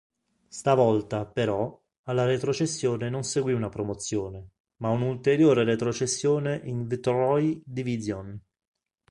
Stavolta, però, alla retrocessione non seguì una promozione, ma un'ulteriore retrocessione in Vtoroj divizion.